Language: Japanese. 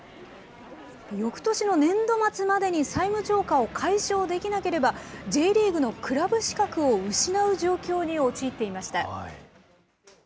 よくとしの年度末までに債務超過を解消できなければ、Ｊリーグのクラブ資格を失う状況に陥っていました。